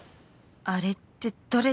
あれってどれだよ